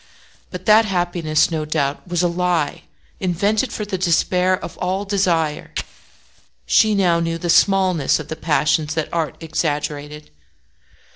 But that happiness, no doubt, was a lie invented for the despair of all desire. She now knew the smallness of the passions that art exaggerated.